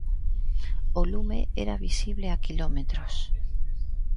O lume era visible a quilómetros.